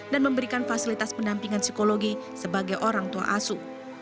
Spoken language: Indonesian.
dan memberikan fasilitas pendampingan psikologi sebagai orang tua asu